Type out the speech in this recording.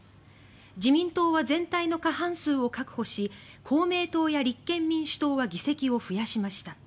自民党は全体の過半数を確保し公明党や立憲民主党は議席を増やしました。